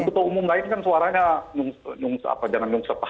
kalau umum lain kan suaranya nyungsa apa jangan nyungsa pak